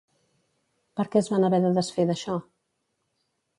Per què es van haver de desfer d'això?